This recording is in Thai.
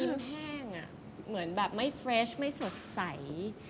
มันแห้งเหมือนแบบไม่เฟรชไม่สดใส